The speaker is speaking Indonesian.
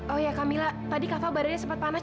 oh iya kamila tadi kava badannya sempat panas